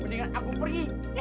mendingan aku pergi